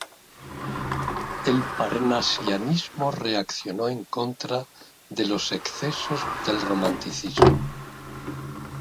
El parnasianismo reaccionó en contra de los excesos del romanticismo.